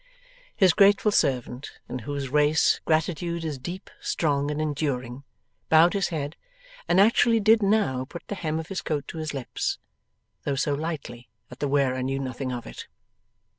His grateful servant in whose race gratitude is deep, strong, and enduring bowed his head, and actually did now put the hem of his coat to his lips: though so lightly that the wearer knew nothing of it.